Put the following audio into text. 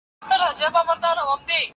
زه به ستاسو پام د هغوی تجربو ته واړوم.